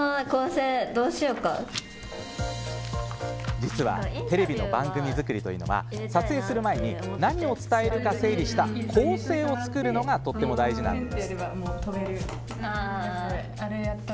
実は、テレビの番組作りは撮影前に何を伝えるか整理した構成を作るのが大事なんです。